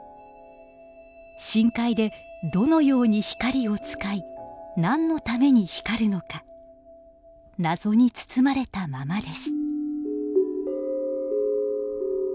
深海でどのように光を使い何のために光るのか謎に包まれたままです。